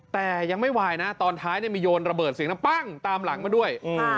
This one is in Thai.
แต่ยังไม่วายนะตอนท้ายมีโยนระเบิดเสียงดังปั้งตามหลังมาด้วย